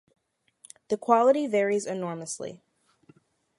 The quality varies enormously.